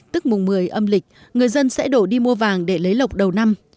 tức mùng một mươi âm lịch người dân sẽ đổ đi mua vàng để lấy lọc đầu năm